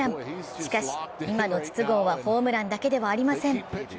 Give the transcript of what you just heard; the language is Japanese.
しかし、今の筒香はホームランだけではありません。